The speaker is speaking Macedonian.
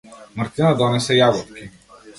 Мартина донесе јаготки.